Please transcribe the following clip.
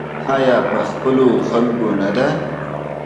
آیا او په خپلو خلکو نه ده؟